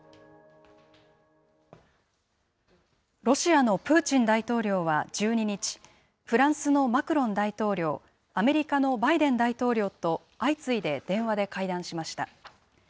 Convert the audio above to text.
ロシアのプーチン大統領は１２日、フランスのマクロン大統領、アメリカのバイデン大統領と相次いで電話で会談しました。